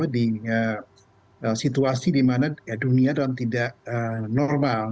di situasi di mana dunia dalam tidak normal